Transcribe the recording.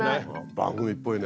番組っぽいね。